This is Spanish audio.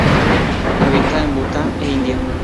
Habita en Bután, e India.